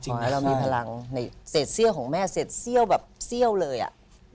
ขอให้เรามีพลังเศษเซี่ยวของแม่เศษเซี่ยวแบบเซี่ยวเลยอะ